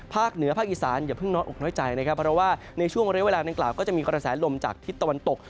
เหนือภาคอีสานอย่าเพิ่งน้อยอกน้อยใจนะครับเพราะว่าในช่วงเรียกเวลานางกล่าวก็จะมีกระแสลมจากทิศตะวันตก